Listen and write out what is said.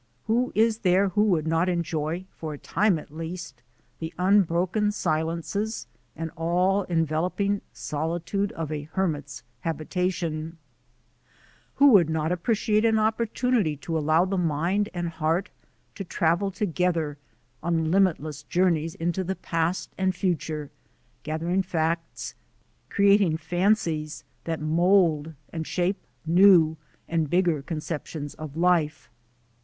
Who is there who would not enjoy, for a time at least, the unbroken silences and all enveloping solitude of a hermit's habitation ? Who would not appreciate an opportunity to allow the mind and heart to travel together on limitless journeys into the past and future, gathering facts, creating fan cies, that mould and shape new and bigger concep tions of life?"